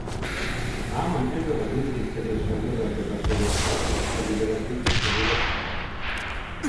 Az állam ezzel az intézkedéssel növelte befolyását és felügyeletét a hadurak felett.